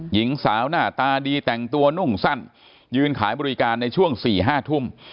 หญิงสาวหน้าตาดีแต่งตัวนุ่งสั้นยืนขายบริการในช่วง๔๕ทุ่ม